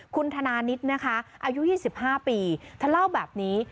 คุณธนานิดนะคะอายุยี่สิบห้าปีถ้าเล่าแบบนี้